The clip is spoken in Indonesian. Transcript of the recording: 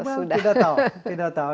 tidak tahu tidak tahu